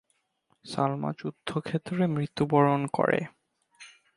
সালমা যুদ্ধক্ষেত্রে মৃত্যুবরণ করে।